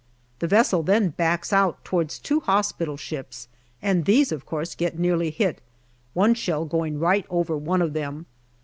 The vessel then backs out towards two hospital ships, and these of course get nearly hit, one shell going right over one of them.